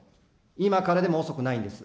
今からでも遅くないんです。